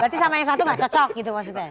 berarti sama yang satu nggak cocok gitu maksudnya